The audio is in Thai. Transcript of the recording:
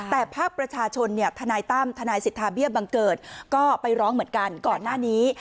แต่ภาพประชาชนเนี่ยทนายศิษฐาบียบังเกิดก็ไปร้องเหมือนกันก่อนหน้านี้